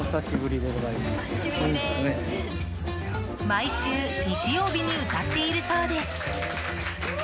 毎週、日曜日に歌っているそうです。